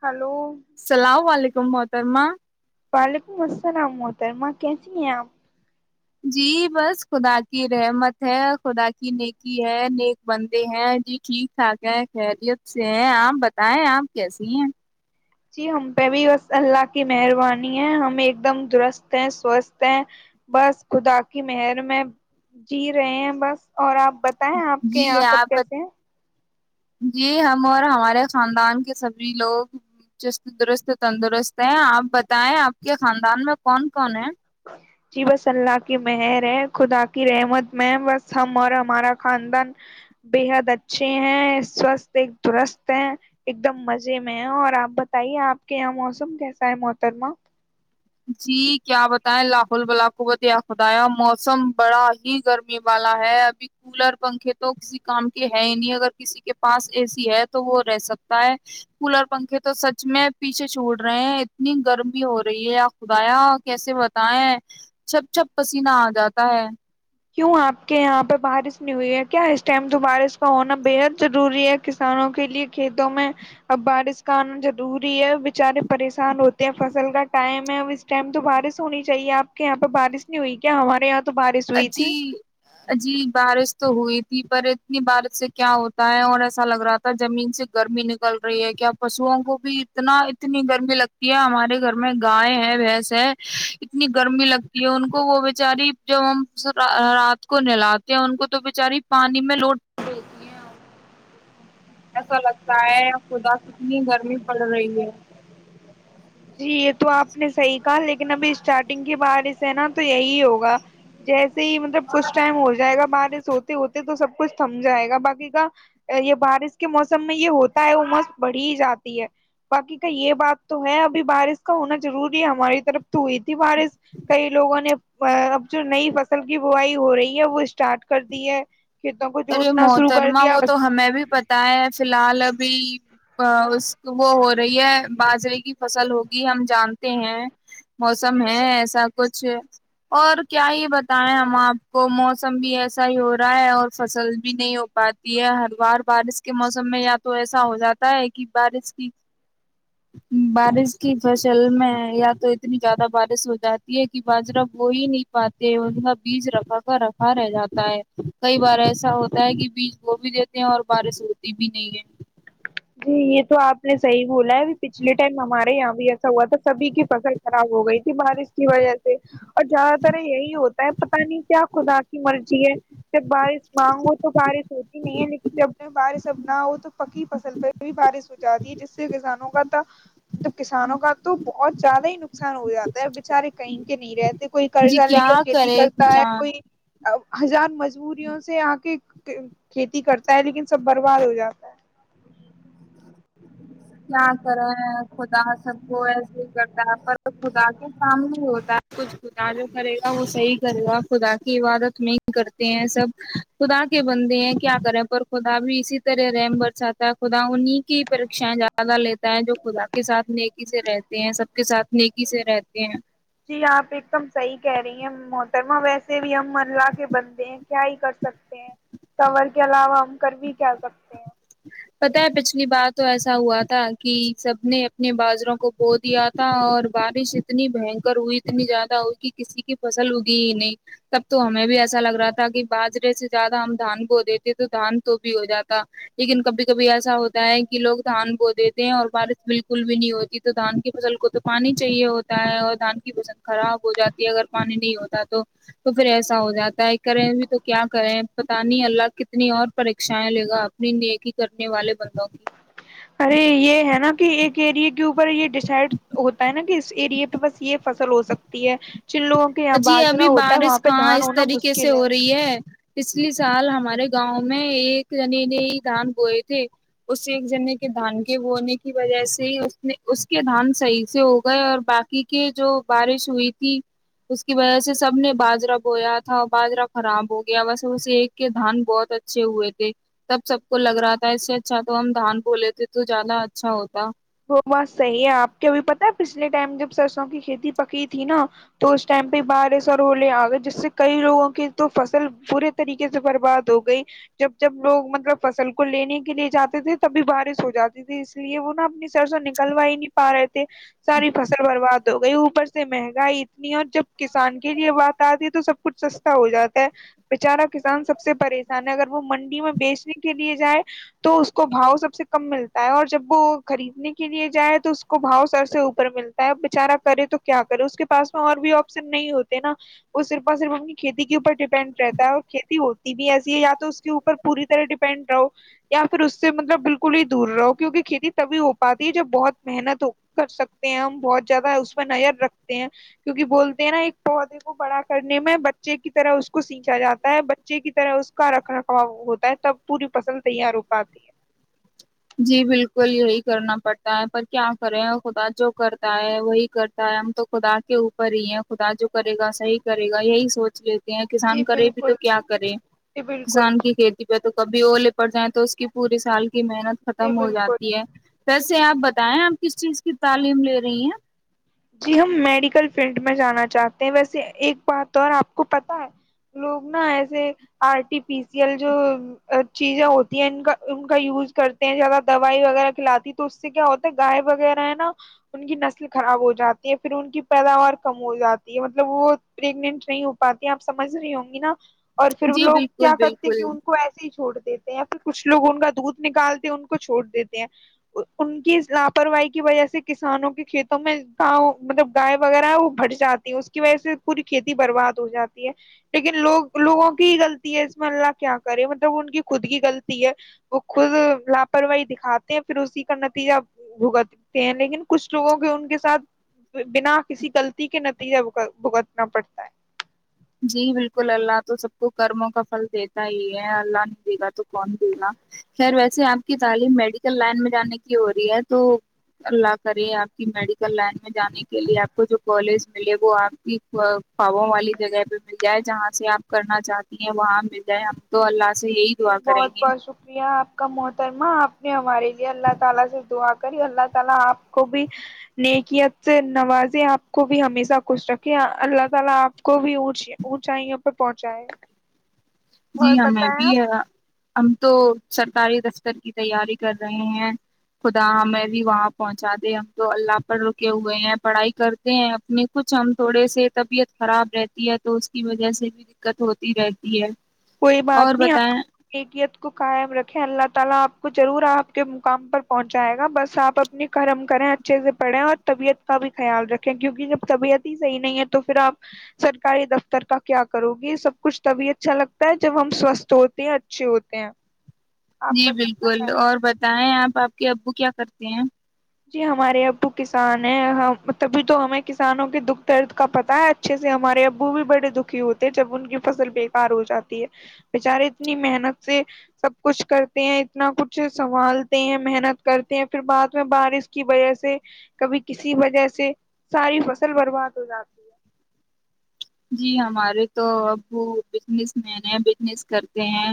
hello تمترما وعلیکم السلام محترما کیسی ہیں آپ جی بس خدا کی رحمت ہے خدا کی نیکی ہے نیک بندے ہیں جی ٹھیک ٹھاک ہے خیریت سے ہیں آپ بتائیں آپ کیسی ہیں جی ہم پہ بھی بس اللہ کی مہربانی ہے ہم ایک دم درست ہے سوستھ ہے بس خدا کی مہر میں جی رہے ہیں بس اور آپ بتائیں آپ کے جی یہاں سب آپ کیسے ہیں جی ہم اور ہمارے خاندان کے سبھی لوگ چست درست تندرست ہیں آپ بتائیں آپ کے خاندان میں کون کون ہیں جی بس اللہ کی مہر ہے خدا کی رحمت میں ہے بس ہم اور ہمارا خاندان بے حد اچھے ہیں سوستھ ایک درست ہے ایک دم مزے میں ہے اور آپ بتائیے آپ کے یہاں موسم کیسا ہے محترمہ جی کیا بتائیں لاہول بلاکبت خدایا موسم بڑا ہی گرمی والا ہے ابھی کولر پنکھے تو کسی کام کے ہے ہی نہیں اگر کسی کے پاس اے سی ہے تو وہ رہ سکتا ہے کولر پنکھے تو سچ میں پیچھے چھوڑ رہے ہیں اتنی گرمی ہو رہی ہے بدایا کیسے بتیں چپ چھپ پسینہ آ جاتا ہے کیوں آپ کے یہاں پہ بارش نہیں ہوئی ہے کیا اس ٹائم تو بارش کا ہونا بےحد ضروری ہے کسانوں کے لیے کھیتوں میں اب بارش کا آنا ضروری ہے بےچارے پریشان ہوتے ہیں فصل کا ٹائم ہے اب اس ٹائم تو بارش ہونی چاہیے آپ کے یہاں پہ بارش نہیں ہوئی کیا ہمارے یہاں بارے سوئی جی جی بارش تو ہوئی پر اتنی بارش سے کیا ہوتا ہے اور ایسا لگ رہا تھا جمین سے گرمی نکل رہی ہے کیا پشووں کو بھی اتنا اتنی گرمی لگتی ہے ہمارے گھر میں گائے ہے بھینس ہے اتنی گرمی لگتی ہے ان کو وہ بیچاری جب ہم رات کو نہلاتے ہیں ان کو تو بچاری پانی میں لوٹتی ہے ایسا لگتا ہے خدا کتنی گرمی پڑ رہی ہے جی یہ تو آپ نے صحیح لیکن ابھی اسٹارٹنگ کے بع اس سینا تو یہی ہوگا جیس سے ہی مطلب کچھ ٹائم ہو جائے گا بارے سو ہوتے تو سب کچھ تھم جائے گا باقی کا یہ بارش کے موسم میں یہ ہوتا ہے وہ مس بڑ ہی جاتی ہے باقی کا یہ بات تو ہے اب بارش کا ہونا ضروری ہے ہماری طرف تو ہوئی تھی بارش کئی لوگوں نے اب جو نئی فصل کی بووائی ہو رہی ہے وہ اسٹارٹ کر دی ہے کھیتوں کو ارے جوتنا شروع کر محترما دیا وہ تو ہمیں بھی پتہ ہے فی الحال اب بھی اس وہ ہو رہی ہے باجرے کی فصل ہوگی ہم جانتے ہیں موسم ہے ایسا کچھ اور کیا یہ بتائیں ہم آپ کو موسم بھی ایسا ہی ہو رہا ہے اور فصل بھی نہیں ہو پاتی ہے ہر بار بارش کے موسم میں یا تو ایسا ہو جاتا ہے کہ بارش کی بارش کی فصل میں یا تو اتنی زیادہ بارش ہو جاتی ہے کہ باجرہ بو ہی نہیں پاتے ان کا بیج رفا کا رفا رہ جاتا ہے کئی بار ایسا ہوتا ہے کہ بیج بو بھی دیتے ہیں اور بارش ہوتی بھی نہیں ہے جی یہ تو آپ نے صح بولا ہے پچھلے ٹائم ہمارے یہاں بھی ایسا ہوا تھا سبھی کی فصل خراب ہو گئی تھی بارش کی وجہ سے اور زیادہ تر یہی ہوتا ہے پت نہیں کیا خدا کی مرضی ہے جب بارش مانگو تو بارش ہوتی نہیں ہے لیکن جب بارش اب نہ ہو تو پکی فصل پہ بھی بارش ہو جاتی ہے جس سے کسانوں کاب کسانوں کا تو بہت زیادہ ہی نقصان ہو جاتا ہے بچارے کہیں کے نہیں رہتے کوئی جی کرضہ لے کیا کر کھیتی کرے کرتا ہے کسان کوئی ہزار مجبوریوں سے آ کے کھیتی کرتا ہے لیکن سب برباد ہو جاتا ہے کیا کرا ہے خدا سب کو ایسے کر پر خدا کے سامنے ہو کچھ خدا جو کرے گا وہ صحیح کرے گا خدا کی عبادت نہیں کرتے ہیں سب خدا کے بندے ہیں کیا کریں پر خدا بھی اسی طرح رحم برساتا ہے خدا انہیں کی پریشا جات پدے جو خدا کے ساتھ نیکی سے رہتے ہیں سب کے ساتھ نیکی سے رہتے ہیں رما ویسے بھی ہم منلا کے بندے ہیں کیا ہی کر سکتے ہیں سور کے علاوہ ہم کر بھی کیا سکتے ہیں پتا ہے پچھلی بار تو ایسا ہوا تھا کہ سب نے اپنے باجروں کو بو دیا تھا اور بارش اتنی بنکر ہوئی اتنی زیادہ ہوئی کہ کسی کی فصل اگی ہی نہیں تب تو ہمیں بھی ایسا لگ رہا تھا کہ باجرے سے زیادہ ہم دھان بو دیتے تو دھان تو بھی ہو جاتا لیکن کبھی کبھی ایسا ہوتا ہے کہ لوگ دھان کو دیتے ہیں اور بارش بالکل بھی نہیں ہوتی تو دھان کی فصل کو تو پانی چاہیے ہوتا ہے اور دھان کی وزن خراب ہو جاتی ہے اگر پانی نہیں ہوتا تو پھر ایسا ہو جاتا ہے کریں بھی تو کیا کریں پتا نہیں اللہ کتنی اور پریشائں لے گا آپ اپنی نیکی کرنے والے بندوں کی ارے یہ ہے نا کہ ایک اریے کے اوپر یہ ڈسائڈ ہوتا ہے نا کہ اس اریے پہ بس یہ فصل ہو سکتی ہے جن لوگوں کے یہاں جی ابھی باجرا ہوتا ہے وہاں بارش پہ کہاں دھان اس ہونا طریقے سے مشکل ہو رہی ہے پچھلیے سال ہمارے گاؤں میں ایک جنے نے ہی دھان بوئے تھے اس ایک جنے کے دھان کے بونے کی وجہ سے اس نے اس کے دھان صحیح سے ہو گئے اور باقی کے جو بارش ہوئی تھی اس کی وجہ سے سب نے باجرا بویا تھا باجرا خراب ہو گیا وس اس ایک کے دھان بہت اچھے ہوئے تھے تب سب کو لگ رہا تھا اس سے اچھا تو ہم دھان بو لیتے تو زیادہ اچھا ہوتا بس صحیح ہے آپ کے ابھی پتا پچھلے ٹائم جب سرسوں کی کھیتی پکی تھی نا تو اس ٹائم پہ بارش اور ہولے آ گئے جس سے کئی لوگوں کی تو فصل پورے طریقے سے برباد ہو گئی جب جب لوگ مطلب فصل کو لینے کے لیے جاتے تھے تبھی بارش ہو جاتی تھی اس لیے وہ نا اپنی سرسوں نکلوا ہی نہیں پا رہے تھے ساری فصل برباد تو گئی اوپر سے مہنگائی اتنی ہے اور جب کسان کے لیے بات آتی ہے تو سب کچھ سستا ہو جاتا ہے بچارا کسان سب سے پریشان ہے اگر وہ منڈی میں بیچنے کے لیے جائے تو اس کو بھاؤ سب سے کم ملتا ہے اور جب وہ خریدنے کے لیے جائے تو اس کو بھاؤ سر سے اوپر ملتا ہے بچارہ کرے تو کیا کرے اس کے پاس میں اور بھی آپشن نہیں ہوتے نا وہ صرف اور صرف اپنی کھیتی کے اوپر ڈیپینڈ رہتا ہے اور کھیتی ہوتی بھی ایسی ہے یا تو اس کے اوپر پوری طرح ڈیپینڈ رہو یا پھر اس سے مطلب بالکل ہی دور رہو کیوں کہ کھیتی تبھی ہو پاتی ہے جب بہت محنت کر سکتے ہیں ہم بہت زیادہ اس پ نظر رکھتے ہیں کیونکہ بولتے ہیں نا ایک پودے کو بڑا کرنے میں بچے کی طرح اس کو سیننچا جاتا ہے بچے کی طرح اس کا رکھ رکھواؤ ہوتا ہے تب پوری فصل تیار ہو پاتی ہے جی بالکل یہی کرنا پڑتا ہے پر کیا کرے خدا جو کرتا ہے وہی کرتا ہے ہم تو خدا کے اوپر ہی ہے خدا جو کرے گا صحیح کرے گا یہی سوچ لیتے کسان جی کرے بھی تو بالکل کیا کرے جی بالکل کسان کی کھیتی پہ تو کبھی وہ لپٹ جائیں تو اس کی پوری سال کی محنت جی ختم ہو بالکل جاتی ہے پس جی سے آپ بتائیں آپ کس چیز کی تعلیم لے رہی ہیں جی ہم میڈیکل فیلڈ میں جانا چاہتے ہیں ویسے ایک بات اور آپ کو پت ہے لوگ نا ایسے آرٹیفیشل جو چیزیں ہوتی ہیں ان کا ان کا یوز کرتے ہیں زیادہ دوائی وغیرہ کھلاتی تو اس سے کیا ہوتا ہے گائے وغیرہ ہے نا ان کی نسل خراب ہوتی جاتی ہے پھر ان کی پیداوار کم ہو جاتی ہے مطلب وہ پریگنٹ نہیں ہو پاتی آپ سمجھ رہی ہوں گی نا اور پھر جی لوگ کیا بالکل کرتے ہیں کہ بالکل ان کو ایسے ہی چھوڑتے دیتے ہیں یا پھر کچھ لوگ ان کا دودھ نکالتے ان کو چھوڑ دیتے ہیں ان کی لاپرواہی کی وجہ سے کسانوں کے کھیتوں میں اؤ مطلب گائے وغیرہ ہے وہ بھٹ جاتی ہے اس کی وجہ سے پوری کھیتی برباد ہو جاتی ہے لیکن لوگ لوگوں کی غلطی ہے اس میں اللہ کیا کرے مطلب ان کی خود کی غلطی ہے وہ خود لاپرواہی دکھاتے ہیں پھر اسی کا نتیجہ بھگتتے ہیں لیکن کچھ لوگوں کے ان کے ساتھ بنا کسی غلطی کے نتیجے بھگتنا پڑتا ہے جی بالکل اللہ تو سب کو کرموں کا پھل دیتا ہی ہے اللہ نہیں دے گا تو کون دے گا خیر ویسے آپ کی تعلیم میڈیکل لائن میں جانے کی ہو رہی ہے تو اللہ کرے آپ کی میڈیکل لائن میں جانے کے لیے آپ کو جو کالج ملے وہ آپ کی فاابوں والی جگہ مل جائے جہاں سے آپ کرنا چاہتی ہیں وہاں مل جائے ہمب تو اللہ سے یہی جی دعا کریں بہت گے بہت شکریہ آپ کا محترمہ آپ ہمارے لیے اللہ تعالی سے دعا کری اللہ تعالی اپ کو بھی نیکیت سے نوازیں اپ کو بھی ہمیشہ خوش رکھے اللہ تعالی اپ کو بھی اونچی اونچائیوں پر پہنچائیں جی ہاں میں بھی ہے ہم تو سرکاری دفتر کی تیاری کر رہے ہیں خدا ہمیں بھی وہاں پہنچا دے ہم تو اللہ پر رکے ہوئے ہیں پڑھائی کرتے ہیں اپنی کچھ ہم تھوڑے سے طبیعت خراب رہتی ہے تو اس کی وجہ سے بھی دقت ہوتی رہتی ہے کوئی اور بات نہیں بتائیں کیفیت کو قائم رکھیں اللہ تعالی کو ضرور آپ کے مقام پر پہنچائے گا بس آپ اپنی کرم کریں اچھے سے پڑھیں اور طبیعت کا بھی خیال رکھیں کیوںک کہ جب طبیعت ہی صحیح نہیں ہے تو پھر آپ سرکاری دفتر کا کیا کرو گی سب کچھ طبیعتھا لگ تا جب ہم سوستھ ہوتے ہیں اچھے ہوتے ہیں آپ جی بس اپنا بالکل خیال اور بتائیں آپ آپ کہ ابو کیا کرتے ہیں جی ہمارے ابو کسان ہیں ہم تبھی تو ہمیں کسانوں کے دکھ درد کا پتا ہے اچھے سے ہمارے ابو بھی بڑے دکھی ہوتے جب ان کی فصل بےیکار ہو جاتی ہے بیچارے اتنی محنت سے سب کچھ کرتے ہیں اتنا کچھ سنبھالتے ہیں محنت کرتے ہیں پھر بعد بارش کی وجہ سے کبھی کسی وجہ سے ساری فصل برباد ہو جاتی ہے جی ہمارے تو ابو بجنس مین ہیں بجنس کرتے ہیں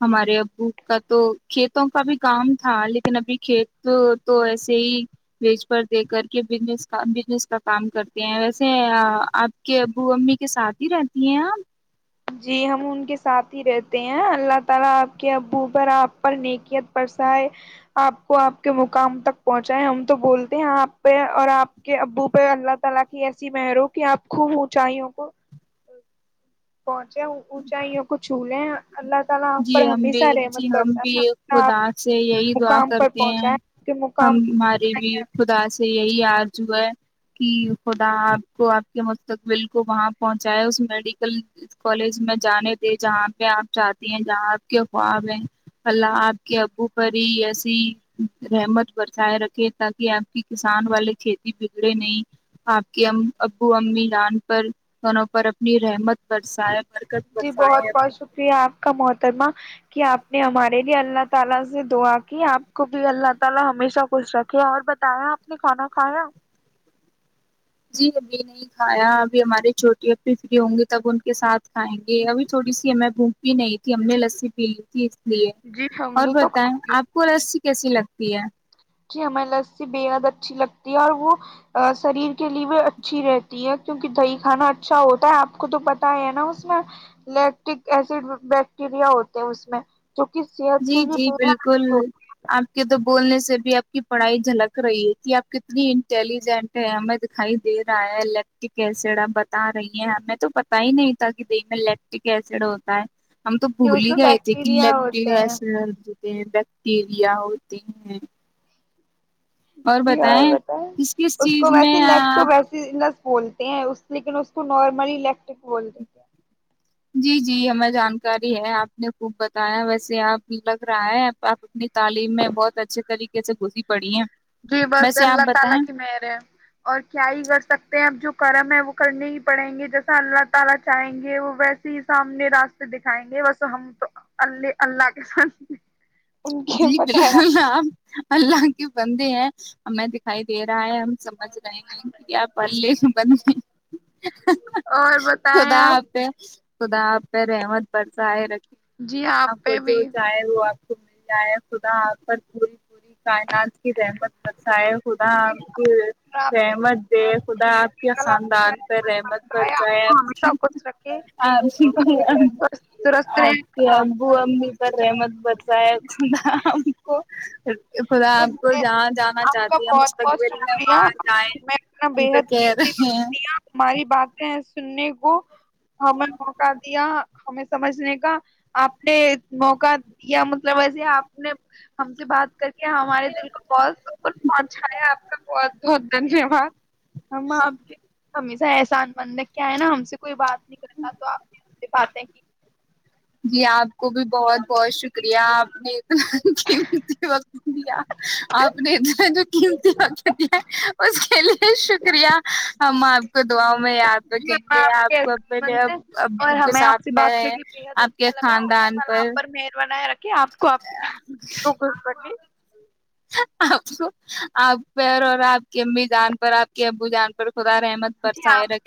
ہمارے ابو کا تو کھیتوں کا بھی کام تھا لیکن ابھی کھیت تو ایسے ہی ویج پر دے کر کے کا بزس کا کام کرتے ہیں ویسے آپ کے ا وہ امی کے ساتھ ہی رہتی ہیں آپ جی ہم ان کے ساتھ ہی رہتے ہیں اللہ تعالی اپ کے ابو پر اپ پر نیکیت برسائے اپ کو اپ کے مقام تک پہنچائیں ہم تو بولتے ہیں اپ پہ اور اپ کے ابو پہ اللہ تعالی کی ایسی مہرو کہ اپ کو چاہیےوں کو پہنچے اونچائیوں کو چھولے جی ہم بھی جی ہم بھی برسائے ہمیشہ آپ خدا سے یہی دعا مقام پر کرتے ہیں پہنچائے آپ کے ہم مقام ہماری بھی خدا سے یہی یاد کہ خدا آپ کو آپ کے مستقبل کو وہاں پہنچائے اس میڈیکل کالج میں جانے دے جہاں پہ آپ چاہتے جہاں آپ کے خواب ہیں اللہ آپ کے ابو پر ہی ایسی رحمت برسائے رکھے تاکہ آپ کی کسان والے کھیتی بگڑے نہیں آپ کے ابو امی جان پر دوں پر اپنی رحمت برسائے برکت جی بہت برسائے بہت شکریہ آپ کا مہت ترمہ اپ نے ہمارے لیے اللہ تعالی سے دعا کی اپ کو بھی اللہ تعالی ہمیشہ خوش رکھے اور بتائیں اپ نے کھانا کھایا جی ابھی نہیں کھایا ابھی ہمارے چھوٹی اھی فری ہوں گی تب ان کے ساتھ کھائیں گے ابھی تھوڑی سی ہمیں بھوک بھی نہیں تھی ہم نے لسی پی لی تھی جی ہم اور نے تو بتائیں کھا آپ کو رس کیسی لگتی پیا جی ہمیں لسی بےحد اچھی لگتی ہے اور وہ شریر کے لیے بھی اچھی رہتی ہے کیونکہ دہی کھانا اچھا ہوتا ہے آپ کو تو پتا ہی ہے نا اس میں لیکٹک ایسڈ بیکٹیریا ہوتے ہیں اس میں جو کہ صحت جی کے لیے جی بے حد بالکل اچھے ہوتے آپ کے تو بولنے سے بھی آپ کی پڑھائی جھلک رہی تھی آپ کتنی انٹیلیجنٹ ہے ہمیں دکھائی دے رہا ہے لیپٹک ایسڈ آپ بتا رہی ہیں ہمیں تو پتا ہی نہیں تھا کہ دی میں لیپٹک ایسڈ ہوتا ہے ہم تو ہیں، اس بولی میں گئے تھے ک بیکٹیریا ھ ہوتے گ ہیں س [inaudible] ہوتے ہیں بیکٹیریا ہوتے ہیں جی اور بتائیں کس کس اس چیز کو میں ویسے ل آپ ویس لس بولتے ہیں لیکن نارمالیکٹرک بول دی کیا جی جی ہمیں جانکاری ہے آپ نے خوب بتایا ویسے آپ لگ رہا ہے آپ اپنی تعلیم میں بہت اچھے طریقے سے گزری پڑی ہیں جی بس ویسے آپ اللہ تعالی بتائیں کی مہر ہے اور کیا ہی ہو سکتے ہیں اب جو کرم ہے وہ کل نہیں پڑھیں گے جیسا اللہ تعالی چاہیں گے وہ ویسے ہی سامنے راستے دکھائیں گے بس ہم تو اللہ کے ساتھ جی بالکل آپ اللہ کے بندے ہیں ہم میں دیک دکھائی دے رہا ہے ہم سمجھ رہے ہیں کہ کیا پلے بن اور بتائیں خدا آپ خدا آ پ ر احمد پرس ہے جی آپ کو پہ بھی جو چاہے وہ آپ [inaudible] خدا آ کر پوری پوری کائنات کی رحمت بسائے خدا آپ کی آپ کے رحمت دے خدا آپ کے کل خاندان ہمیشہ پر رحمت بر آیا آپ جائے کو ہمیشہ خوش رکھے آ آپ درست آپ کے رہے ابو امی پر رحمت بچ جائے کو خدا آپ کو جہاں جانا آپ کا چاہتی ہے بہت بہت مستقبل میں شکریہ وہاں جائیں میں اپنا ہم بے تو حد کہہ قیمتی رہے ہیں ہماری باتیں سننے کو ہمیں موقع دیا ہمیں سمجھنے کا آپ نے موقع دیا مطلب ایسے آپ نے ہم سے بات کر ہمارے دل کو بہت س کچھ پہنچایا آپ کا بہت بہت دھنیہ واد ہم آپ ہمیشہ ایسے کسان مند کیا ہے نا ہم سے کوئی بات نہیں کرتا تو آپ نے سے باتیں کی جی آپ کو بھی بہت بہت شکریہ آپ نے قیمتی وقت دیا آپ نے جو قیمتی وقت دیا اس کے لیے شکریہ ہم آپ کو دعاؤں میں یاد جی، رکھیں ہمیں گے کے آپ کو عزت مند ا ہے اب اور کے ہمیں آپ ساتھ سے بات کر میں کے بےحد آپ کے اچھا لگ اللہ خاندان تعی آپ پر مہر بناائے رکھا کیا آپ کو آپ آپ آپ پیر اور آپ کی امی جان پر آپ کے ابو جان پر خدار احمد جی برسائے آپ رکھ